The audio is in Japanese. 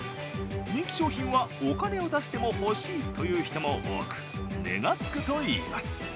人気商品はお金を出しても欲しいという人も多く値がつくといいます。